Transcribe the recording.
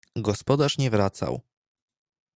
Gospodarz nie wracał.